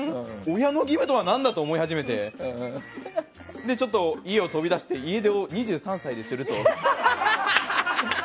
親の義務とは何だと思い始めてちょっと家を飛び出して家出を２３歳でしたり。